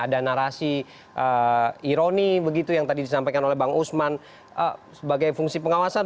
ada narasi ironi begitu yang tadi disampaikan oleh bang usman sebagai fungsi pengawasan